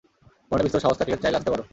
মনে বিস্তর সাহস থাকলে চাইলে আসতে পারো।